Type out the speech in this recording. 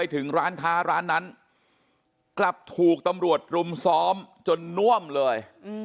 ตอนนั้นกลับถูกตำรวจรุมซ้อมจนน่วมเลย